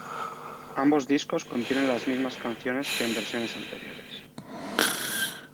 Ambos discos contienen las mismas canciones que en versiones anteriores.